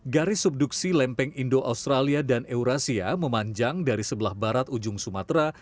garis subduksi lempeng indo australia dan eurasia memanjang dari sebelah barat ujung sumatera